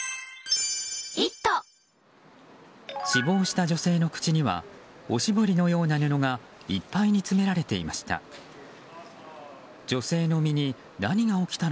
死亡した女性の口にはおしぼりのような布がいっぱいに詰められていました。